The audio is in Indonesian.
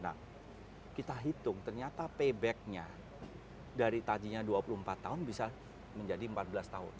nah kita hitung ternyata paybacknya dari tadinya dua puluh empat tahun bisa menjadi empat belas tahun